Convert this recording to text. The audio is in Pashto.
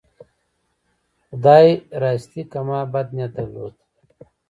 خدای راستي که ما بد نیت درلود.